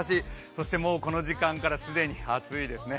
そしてもうこの時間から既に暑いですね。